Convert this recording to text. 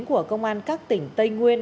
của công an các tỉnh tây nguyên